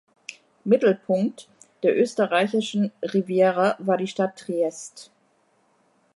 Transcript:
Mittelpunkt der Österreichischen Riviera war die Stadt Triest.